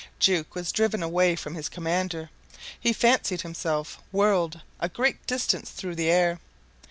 Jukes was driven away from his commander. He fancied himself whirled a great distance through the air.